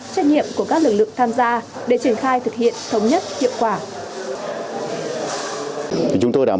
trách nhiệm của các lực lượng tham gia để triển khai thực hiện thống nhất hiệu quả